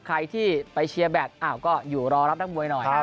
ใครที่ไปเชียร์แบทอยู่รอรับนักมวยหน่อย